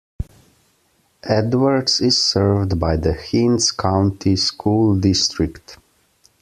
Edwards is served by the Hinds County School District.